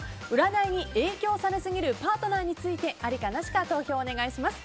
占いに影響されすぎるパートナーについてありかなしか投票をお願いします。